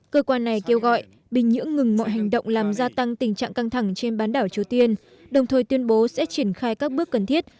cơ quan này kêu gọi bình nhưỡng ngừng mọi hành động làm gia tăng tình trạng căng thẳng trên bán đảo triều tiên